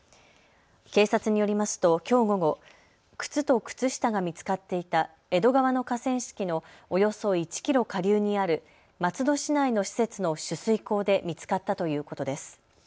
警察によりますときょう午後、靴と靴下が見つかっていた江戸川の河川敷のおよそ１キロ下流にある松戸市内の施設の取水口で見つかったということです。